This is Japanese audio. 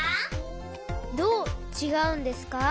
どうちがうんですか？